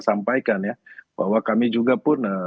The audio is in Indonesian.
sampaikan ya bahwa kami juga pun